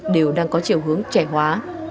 đều đang có chiều hướng trẻ hóa